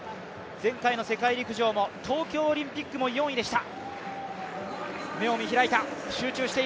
前回の世界陸上も東京オリンピックも４位でした。